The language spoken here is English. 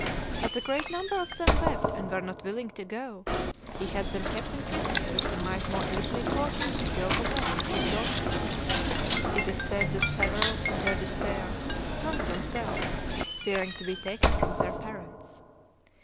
As a great number of them wept and were not willing to go, he had them kept in prison that he might more easily force them to go away with his daughter. It is said that several, in their despair, hung themselves, fearing to be taken from their parents.